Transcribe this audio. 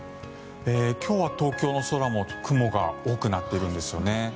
今日は東京の空も雲が多くなっているんですね。